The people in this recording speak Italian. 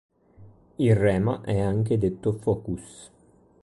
Il rema è anche detto "focus".